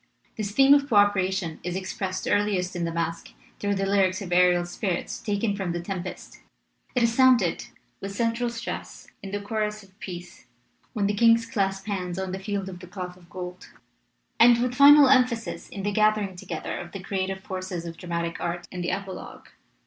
This theme of co opera tion is expressed earliest in the masque through the lyric of Ariel's Spirits taken from The Tem pest; it is sounded, with central stress, in the chorus of peace when the kings clasp hands on the Field of the Cloth of Gold; and, with final emphasis, in the gathering together of the creative forces of dramatic art in the Epilogue.